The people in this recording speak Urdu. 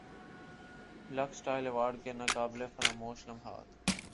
لکس اسٹائل ایوارڈ کے ناقابل فراموش لمحات